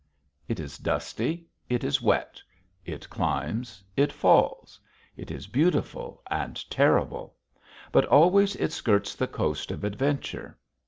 It is dusty; it is wet. It climbs; it falls; it is beautiful and terrible. But always it skirts the coast of adventure.